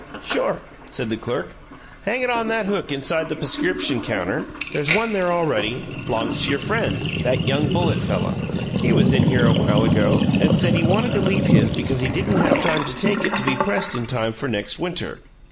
"Sure," said the clerk. "Hang it on that hook inside the p'scription counter. There's one there already, b'longs to your friend, that young Bullitt fella. He was in here awhile ago and said he wanted to leave his because he didn't have time to take it to be pressed in time for next winter.